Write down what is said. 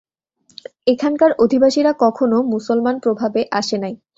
এখানকার অধিবাসীরা কখনও মুসলমান-প্রভাবে আসে নাই।